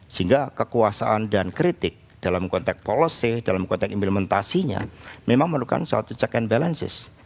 sehingga kekuasaan dan kritik dalam konteks policy dalam konteks implementasinya memang memerlukan suatu check and balances